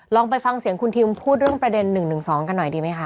ลองไปฟังเสียงคุณทิมพูดเรื่องประเด็น๑๑๒กันหน่อยดีไหมคะ